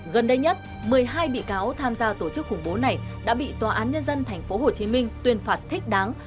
gần đây nhất một mươi hai bị cáo tham gia tổ chức khủng bố này đã bị tòa án nhân dân tp hcm tuyên phạt thích đáng